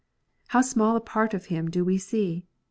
How small a part of Him do we see